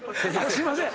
すいません！